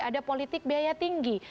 ada politik biaya tinggi